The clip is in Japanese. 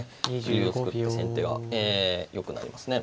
竜を作って先手がよくなりますね。